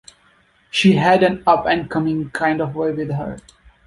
She had an up and coming kind of way with her.